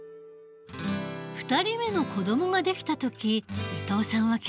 ２人目の子どもが出来た時伊藤さんは決意した。